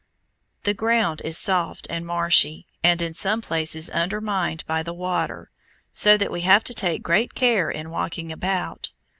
The ground is soft and marshy, and in some places undermined by the water, so that we have to take great care in walking about.